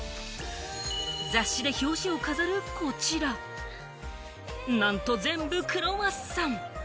雑誌で表紙を飾るこちら、なんと全部クロワッサン！